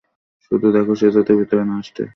শুধু দেখ সে যাতে ভিতরে না আসে।